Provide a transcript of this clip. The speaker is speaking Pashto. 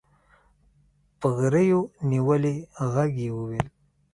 په غريو نيولي ږغ يې وويل.